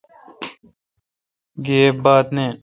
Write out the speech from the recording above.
گیب بات نین۔